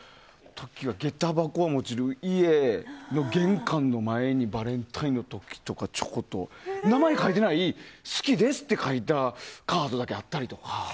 下駄箱はもちろん家の玄関の前にバレンタインの時とかチョコと名前書いていない「好きです」って書いたカードだけあったりとか。